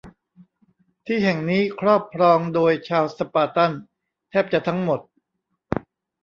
ที่แห่งนี้ครอบครองโดยชาวสปาร์ตันแทบจะทั้งหมด